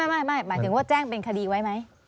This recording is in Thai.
หมายถึงว่าแจ้งเป็นคดีไว้ไหม